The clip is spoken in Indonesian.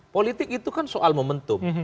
politik itu kan soal momentum